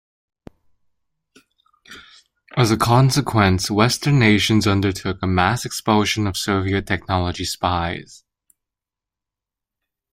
As a consequence, Western nations undertook a mass expulsion of Soviet technology spies.